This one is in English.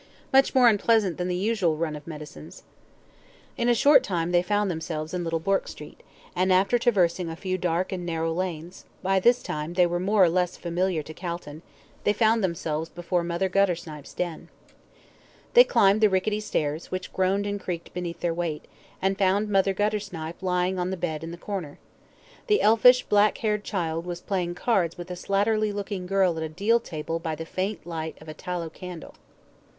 Much more unpleasant than the usual run of medicines." In a short time they found themselves in Little Bourke Street, and after traversing a few dark and narrow lanes by this time they were more or less familiar to Calton they found themselves before Mother Guttersnipe's den. They climbed the rickety stairs, which groaned and creaked beneath their weight, and found Mother Guttersnipe lying on the bed in the corner. The elfish black haired child was playing cards with a slatternly looking girl at a deal table by the faint light of a tallow candle.